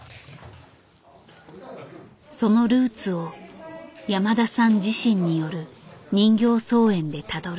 そのルーツを山田さん自身による人形操演でたどる。